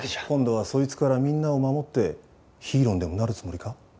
今度はそいつからみんなを守ってヒーローにでもなるつもりか？